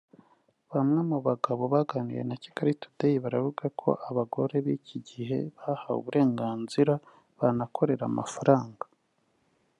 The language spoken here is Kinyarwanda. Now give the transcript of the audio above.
bamwe mu bagabo baganiriye na Kigali today baravuga ko abagore b’iki gihe bahawe uburenganzira banakorera amafaranga